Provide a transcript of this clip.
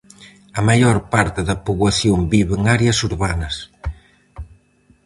A maior parte da poboación vive en áreas urbanas.